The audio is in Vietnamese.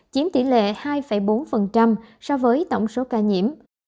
chiếm tỷ lệ hai bốn so với tổng số ca nhiễm